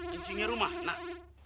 encingnya rumah anak